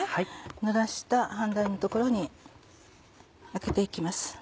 濡らした飯台の所にあけていきます。